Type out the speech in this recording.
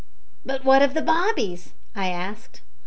"But what of the bobbies?" I asked.